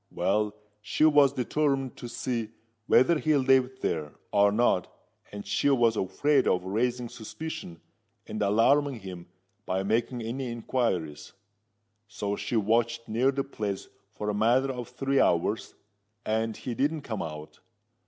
Well, she was determined to see whether he lived there, or not—and she was afraid of raising suspicion and alarming him by making any inquiries: so she watched near the place for a matter of three hours, and he didn't come out.